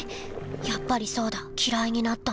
やっぱりそうだきらいになったんだ。